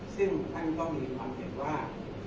ซึ่งท่านก็มีความเห็นว่า